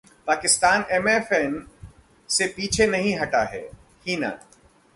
Pakistan MFN से पीछे नहीं हटा है: हिना